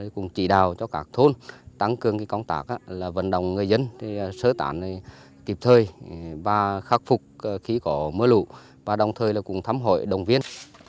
cũng chỉ đào cho các thôn tăng cường công tác vận động người dân sơ tản kịp thời và khắc phục khí cỏ mưa lụ và đồng thời cũng thăm hỏi động viên